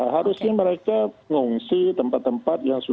harusnya mereka mengungsi tempat tempat yang sudah